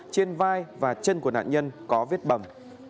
trên vai và chân của nạn nhân có vết bầm